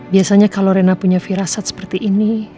biasanya kalau rena punya firasat seperti ini